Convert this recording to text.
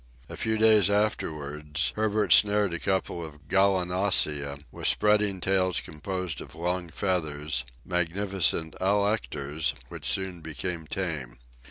A few days afterwards, Herbert snared a couple of gallinaceae, with spreading tails composed of long feathers, magnificent alectors, which soon became tame.